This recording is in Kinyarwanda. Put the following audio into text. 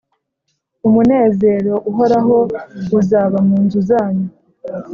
Umunezero uhoraho uzaba mu nzu zanyu